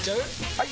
・はい！